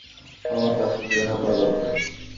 আমার তার সাথে দেখা করা দরকার।